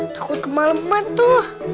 takut kemaleman tuh